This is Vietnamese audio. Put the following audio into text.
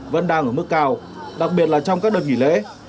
vẫn đang ở mức cao đặc biệt là trong các đợt nghỉ lễ